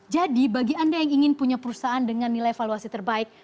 jadi bagi anda yang ingin punya perusahaan dengan nilai valuasi terbaik